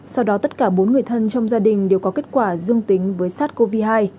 sau đó tất cả bốn người thân trong gia đình đều có kết quả dương tính với sars cov hai